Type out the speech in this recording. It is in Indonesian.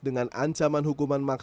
dengan ancaman hukuman berat